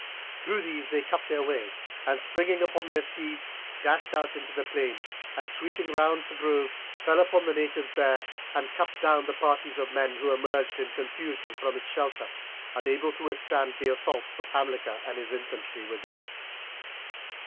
Through these they cut their way, and springing upon their steeds dashed out into the plain, and sweeping round the grove fell upon the natives there, and cut down the parties of men who emerged in confusion from its shelter, unable to withstand the assaults of Hamilcar and his infantry within.